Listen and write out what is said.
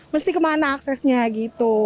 mesti ke mana aksesnya gitu